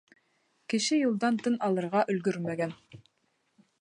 Кеше юлдан тын алырға өлгөрмәгән.